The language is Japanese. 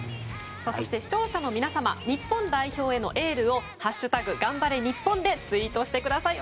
そして、視聴者の皆様日本代表へのエールを「＃がんばれ日本」でツイートしてください。